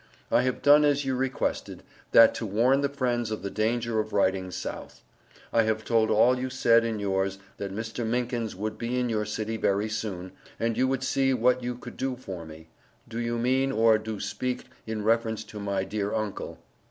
I have done as you Requested, that to warn the friends of the dager of writing South. I have told all you said in yours that Mr. Minkins would be in your city very soon, and you would see what you could do for me, do you mean or do speak in reference to my dear uncle.